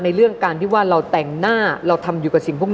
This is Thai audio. เรื่องการที่ว่าเราแต่งหน้าเราทำอยู่กับสิ่งพวกนี้